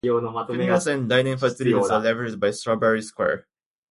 Fitness and dining facilities are leveraged by Strawberry Square.